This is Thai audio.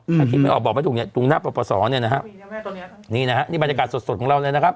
ถ้าคิดไม่ออกบอกไม่ถูกเนี่ยตรงหน้าปรปศเนี่ยนะฮะนี่นะฮะนี่บรรยากาศสดของเราเลยนะครับ